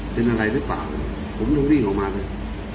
เป็นอะไรหรือเปล่าผมยังวิ่งออกมาเลย